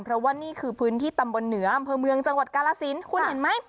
เพราะว่านี่คือพื้นที่ตำบลเหนืออำเภอเมืองจังหวัดกาลสินคุณเห็นไหม